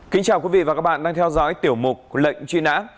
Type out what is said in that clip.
kính chào quý vị và các bạn đang theo dõi tiểu mục lệnh truy nã